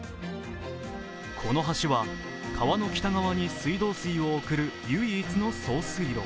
この橋は川の北側に水道水を送る唯一の送水路。